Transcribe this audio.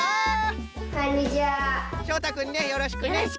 しょうたくんねよろしくね。